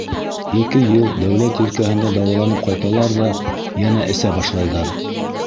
Ике йыл дәүләт елкәһендә дауаланып ҡайталар ҙа йәнә эсә башлайҙар.